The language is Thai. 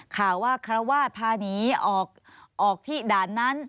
ข่าวว่าคารวาสพาหนีออกที่ด่านนั้น